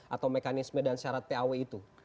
atau mekanisme dan syarat paw itu